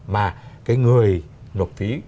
mà cái người nộp phí